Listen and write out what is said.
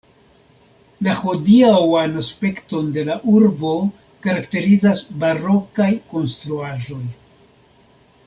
La hodiaŭan aspekton de la urbo karakterizas barokaj konstruaĵoj.